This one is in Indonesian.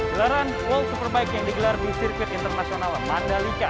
gelaran world superbike yang digelar di sirkuit internasional mandalika